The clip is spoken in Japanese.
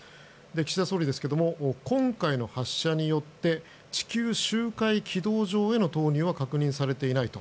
岸田総理ですが今回の発射によって地球周回軌道上への投入は確認されていないと。